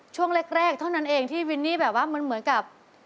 ช่วงแรกเท่านั้นเองที่วินนี่แบบว่ามันเหมือนกับ